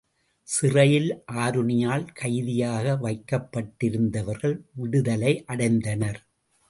சிறையில் ஆருணியால் கைதியாக வைக்கப்பட்டிருந்தவர்கள் விடுதலை அடைந்தனர்.